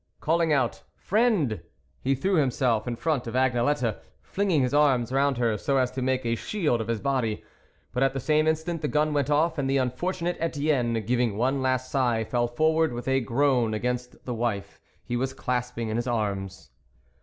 Calling out " Friend," he threw himself in front of Agnelette, flinging his arms round her, so as to make a shield of his body. But at the same instant the gun went off, and the unfortunate Etienne, giving one last sigh, fell forward without a groan THE WOLF LEADER 107 against the wife he was clasping in his arms.